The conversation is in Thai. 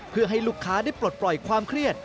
เพื่อให้ลูกค้าได้ปลดปล่อยความเครียด